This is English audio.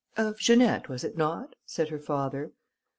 "Of Janette, was it not?" said her father.